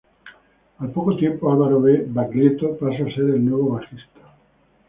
Al poco tiempo Álvaro B. Baglietto pasa a ser el nuevo bajista.